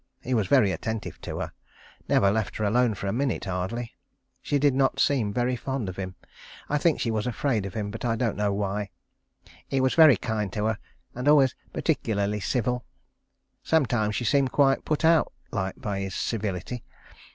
He was very attentive to her. Never left her alone for a minute hardly. She did not seem very fond of him. I think she was afraid of him, but I don't know why. He was very kind to her, and always particularly civil. Sometimes she seemed quite put out like by his civility.